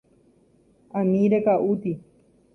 Ani reka'úti.